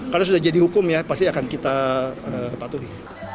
kalau sudah jadi hukum ya pasti akan kita patuhi